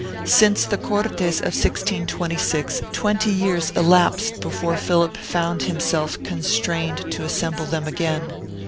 Since the Cortes of 1626 twenty years elapsed before Philip found himself constrained to assemble them again.